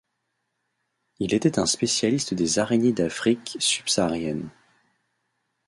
Il était un spécialiste des araignées d'Afrique subsaharienne.